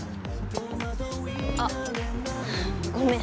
あっごめん。